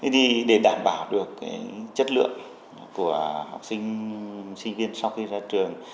để đảm bảo được chất lượng của học sinh sinh viên sau khi ra trường